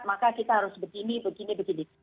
maka kita harus begini begini begini